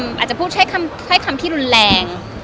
อาจจะพูดใช้คำที่รุนแรง